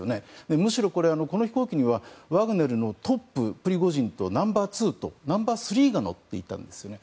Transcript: むしろ、この飛行機にはワグネルのトップ、プリゴジンとナンバー２とナンバー３が乗っていたんですね。